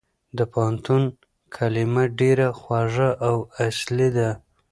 د پوهنتون کلمه ډېره خوږه او اصلي ده.